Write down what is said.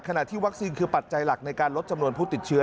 ที่วัคซีนคือปัจจัยหลักในการลดจำนวนผู้ติดเชื้อ